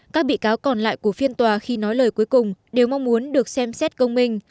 các bị cáo còn lại của phiên tòa khi nói lời cuối cùng đều mong muốn được xem xét công minh